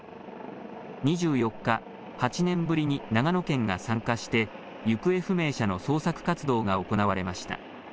２４日、８年ぶりに長野県が参加して、行方不明者の捜索活動が行われました。